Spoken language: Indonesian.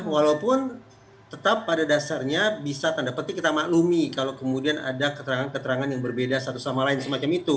walaupun tetap pada dasarnya bisa tanda petik kita maklumi kalau kemudian ada keterangan keterangan yang berbeda satu sama lain semacam itu